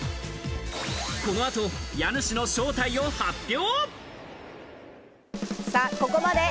この後、家主の正体を発表。